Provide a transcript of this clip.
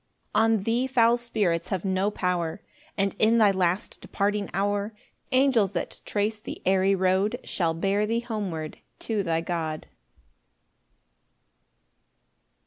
7 On thee foul spirits have no power; And in thy last departing hour Angels, that trace the airy road, Shall bear thee homeward to thy God.